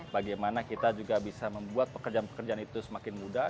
bagaimana kita juga bisa membuat pekerjaan pekerjaan itu semakin mudah